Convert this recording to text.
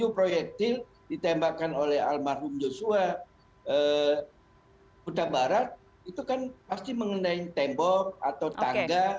tujuh proyektil ditembakkan oleh almarhum joshua huta barat itu kan pasti mengenai tembok atau tangga